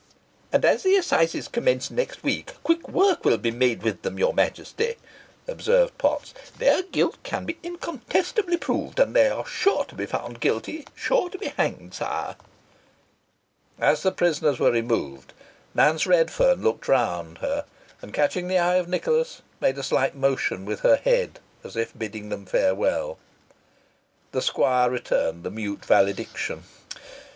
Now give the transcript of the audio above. "And, as the assizes commence next week, quick work will be made with them, your Majesty," observed Potts. "Their guilt can be incontestably proved, so they are sure to be found guilty, sure to be hanged, sire." As the prisoners were removed, Nance Redferne looked round her, and, catching the eye of Nicholas, made a slight motion with her head, as if bidding him farewell. The squire returned the mute valediction.